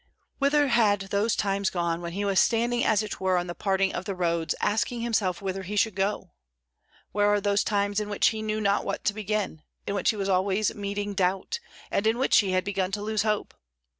Whither had those times gone when he was standing as it were on the parting of the roads, asking himself whither he should go? where are those times in which he knew not what to begin, in which he was always meeting doubt, and in which he had begun to lose hope?